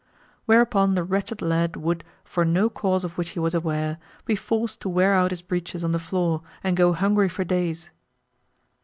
Whereupon the wretched lad would, for no cause of which he was aware, be forced to wear out his breeches on the floor and go hungry for days.